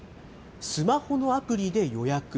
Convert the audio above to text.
スマホのアプリで予約。